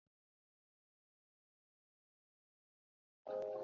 中下游左岸的青山沟是国家级风景名胜区。